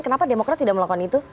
kenapa demokrat tidak melakukan itu